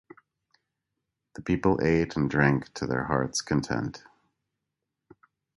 The people ate and drank to their heart's content.